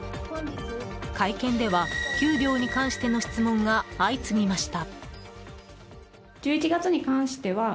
会見では給料に関しての質問が相次ぎました。